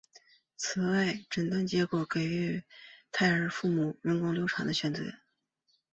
此外诊断结果可以给予胎儿的父母人工流产的选择。